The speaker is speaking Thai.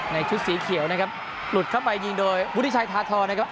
ชุดสีเขียวนะครับหลุดเข้าไปยิงโดยวุฒิชัยธาทรนะครับ